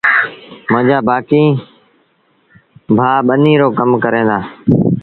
مآݩجآ بآڪيٚݩ ڀآ ٻنيٚ رو ڪم ڪريݩ دآ۔